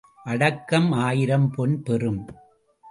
அடக்கம் ஆயிரம் பொன் பெறும்.